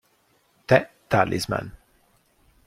The Talisman